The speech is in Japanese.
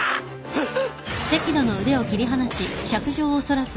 あっ！？